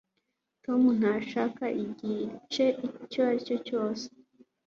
tom ntashaka igice icyo aricyo cyose